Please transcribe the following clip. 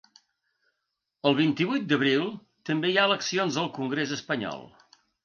El vint-i-vuit d’abril també hi ha eleccions al congrés espanyol.